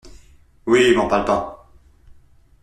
Oui m'en parle pas.